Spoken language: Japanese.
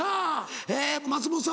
え松本さん